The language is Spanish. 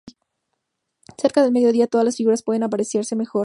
Cerca del medio día todas las figuras pueden apreciarse mejor.